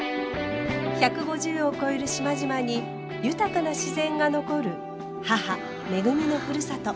１５０を超える島々に豊かな自然が残る母めぐみのふるさと。